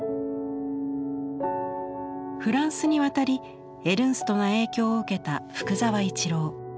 フランスに渡りエルンストの影響を受けた福沢一郎。